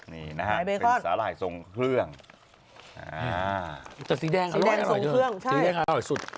นี่นะฮะสาหร่ายทรงเครื่องแต่สีแดงอร่อยสีแดงอร่อยสุด